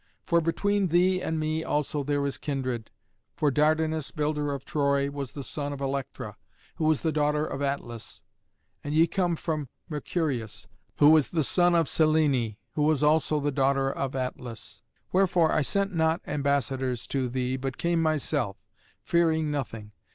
For between thee and me also there is kindred. For Dardanus, builder of Troy, was the son of Electra, who was the daughter of Atlas. And ye come from Mercurius, who was the son of Cyllene, who was also the daughter of Atlas. Wherefore, I sent not ambassadors to thee, but came myself, fearing nothing.